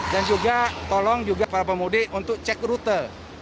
dan juga tolong juga para pemudik untuk cek rute